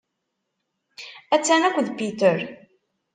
Attan akked Peter.